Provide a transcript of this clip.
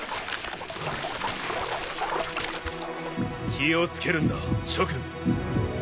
気を付けるんだ諸君。